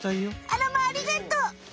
あらまあありがとう！